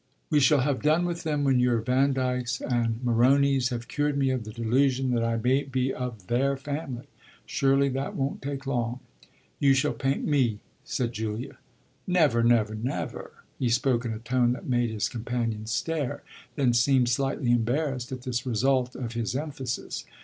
"We shall have done with them when your Vandykes and Moronis have cured me of the delusion that I may be of their family. Surely that won't take long." "You shall paint me," said Julia. "Never, never, never!" He spoke in a tone that made his companion stare then seemed slightly embarrassed at this result of his emphasis.